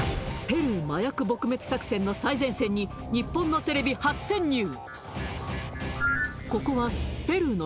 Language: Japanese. ペルー麻薬撲滅作戦の最前線に日本のテレビ初潜入！